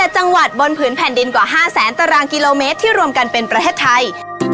๗จังหวัดบนผืนแผ่นดินกว่า๕แสนตารางกิโลเมตรที่รวมกันเป็นประเทศไทย